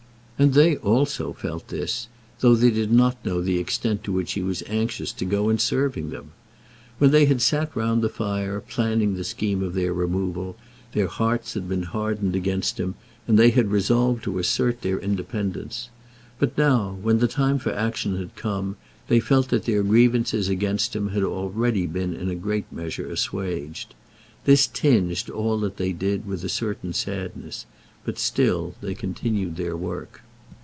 And they also felt this, though they did not know the extent to which he was anxious to go in serving them. When they had sat round the fire planning the scheme of their removal, their hearts had been hardened against him, and they had resolved to assert their independence. But now, when the time for action had come, they felt that their grievances against him had already been in a great measure assuaged. This tinged all that they did with a certain sadness; but still they continued their work.